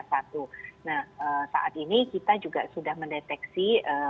nah saat ini kita juga sudah mendeteksi